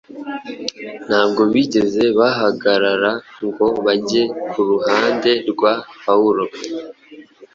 Ntabwo bigeze bahagarara ngo bajye ku ruhande rwa Pawulo